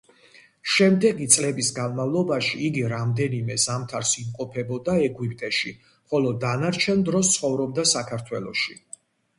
შემდეგი წლების განმავლობაში იგი რამდენიმე ზამთარს იმყოფებოდა ეგვიპტეში, ხოლო დანარჩენ დროს ცხოვრობდა საქართველოში.